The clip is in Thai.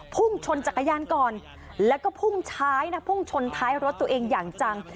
พุ่งชนจักรยานก่อนแล้วก็พุ่งช้ายนะพุ่งชนท้ายรถตัวเองอย่างจัง